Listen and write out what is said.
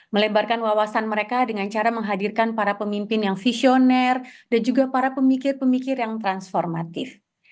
melebarkan wawasan mereka dengan cara menghadirkan para pemimpin yang visioner dan juga para pemikir pemikir yang transformatif